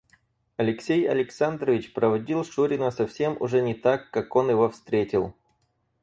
Алексей Александрович проводил шурина совсем уже не так, как он его встретил.